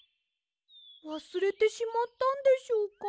わすれてしまったんでしょうか？